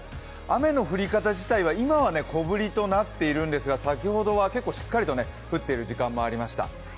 雨の降り方自体は、今は小降りとなっているんですが先ほどは結構しっかり降っている時間もありました。